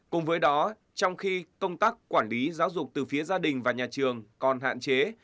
cùng với đó trong khi công tác quản lý giáo dục từ phía gia đình và nhà trường còn hạn chế